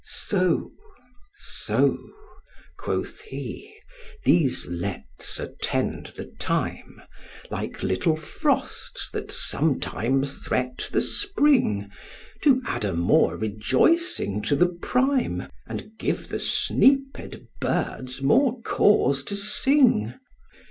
'So, so,' quoth he, 'these lets attend the time, Like little frosts that sometime threat the spring. To add a more rejoicing to the prime, And give the sneaped birds more cause to sing.